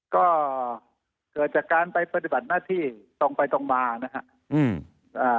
ก็เกิดจากการไปปฏิบัติหน้าที่ตรงไปตรงมานะครับ